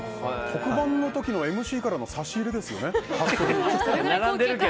特番の時のＭＣからの差し入れですよね。